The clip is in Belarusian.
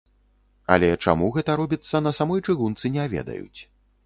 Але чаму гэта робіцца, на самой чыгунцы не ведаюць.